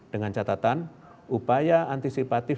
dengan catatan upaya antisipatif